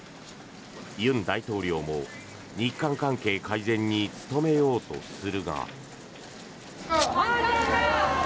尹大統領も日韓関係改善に努めようとするが。